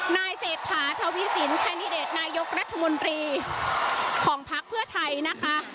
นายเศรษฐาทวีสินแคนดิเดตนายกรัฐมนตรีของภักดิ์เพื่อไทยนะคะ